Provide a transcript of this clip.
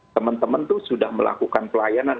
teman teman tuh sudah melakukan pelajaran